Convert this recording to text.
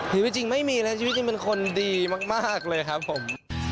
จริงไม่มีแล้วชีวิตจริงเป็นคนดีมากเลยครับผม